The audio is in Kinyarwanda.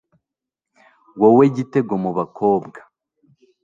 wowe gitego mu bakobwa